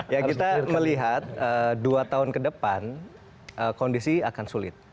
ya kita melihat dua tahun ke depan kondisi akan sulit